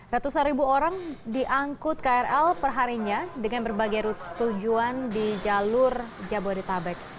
ratusan ribu orang diangkut krl perharinya dengan berbagai tujuan di jalur jabodetabek